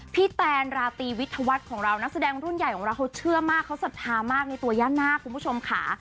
แตนราตรีวิทยาวัฒน์ของเรานักแสดงรุ่นใหญ่ของเราเขาเชื่อมากเขาศรัทธามากในตัวย่านาคคุณผู้ชมค่ะ